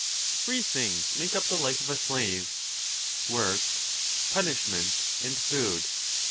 Three things make up the life of a slave, work, punishment, and food.